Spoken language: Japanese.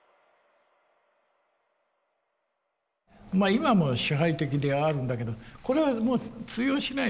今も支配的ではあるんだけどこれはもう通用しない。